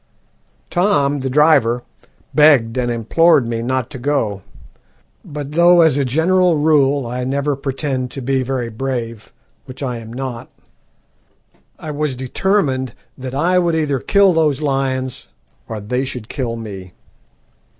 Tom, the driver, begged and implored me not to go, but though as a general rule I never pretend to be very brave (which I am not), I was determined that I would either kill those lions or they should kill me.